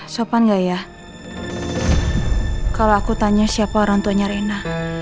sopan gaya kalau aku tanya siapa orangtuanya reina